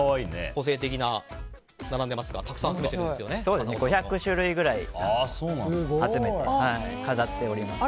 個性的なのが並んでいますが５００種類ぐらい集めて飾っております。